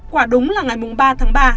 quả đúng là ngày ba tháng ba